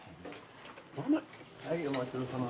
はいお待ち遠さま。